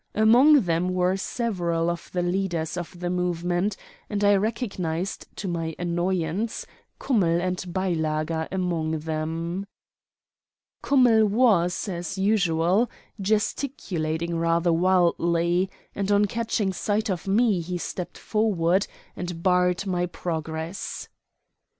Among them were several of the leaders of the movement, and I recognized, to my annoyance, Kummell and Beilager among them. Kummell was, as usual, gesticulating rather wildly, and on catching sight of me he stepped forward and barred my progress.